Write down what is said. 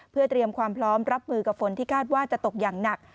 เพื่อเตรียมความพร้อมรับมือกับฝนที่คาดว่าจะตกอย่างหนัก